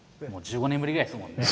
１５年ぶりぐらいですもんね。